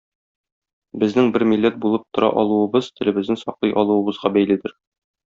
Безнең бер милләт булып тора алуыбыз телебезне саклый алуыбызга бәйледер.